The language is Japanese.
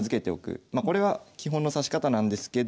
まこれは基本の指し方なんですけど。